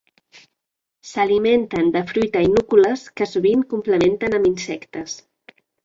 S'alimenten de fruita i núcules, que sovint complementen amb insectes.